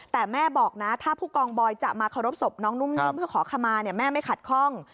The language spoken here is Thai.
แต่แม่บอกนะถ้าผู้กองบอยจะมาเคารพศพน้องนุ่มนิ่มเพื่อขอขมาแม่ไม่ขัดข้อง